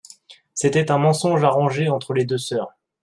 C'était un mensonge arrangé entre les deux soeurs.